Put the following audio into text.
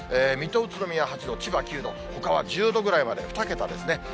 水戸、宇都宮８度、千葉９度、ほかは１０度ぐらいまで、２桁ですね。